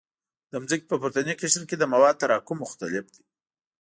د ځمکې په پورتني قشر کې د موادو تراکم مختلف دی